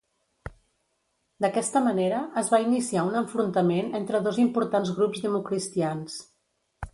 D'aquesta manera es va iniciar un enfrontament entre dos importants grups democristians.